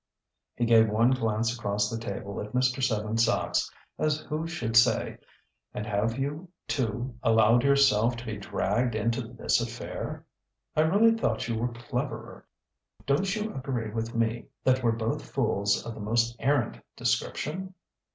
He gave one glance across the table at Mr. Seven Sachs, as who should say: "And have you too allowed yourself to be dragged into this affair? I really thought you were cleverer. Don't you agree with me that we're both fools of the most arrant description?"